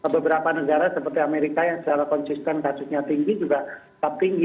beberapa negara seperti amerika yang secara konsisten kasusnya tinggi